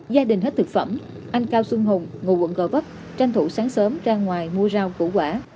gia đình hết thực phẩm anh cao xuân hùng ngụ quận gò vấp tranh thủ sáng sớm ra ngoài mua rau củ quả